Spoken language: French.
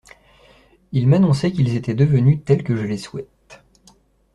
Ils m'annonçaient qu'ils étaient devenus tels que je les souhaite.